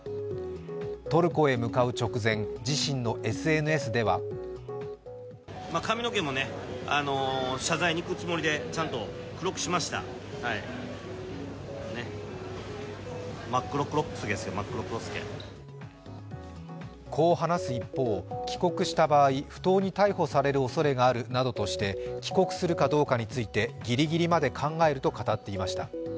トルコへ向かう直前自身のＳＮＳではこう話す一方、帰国した場合不当に逮捕されるおそれがあるなどとして帰国するかどうかについてギリギリまで考えると語っていました。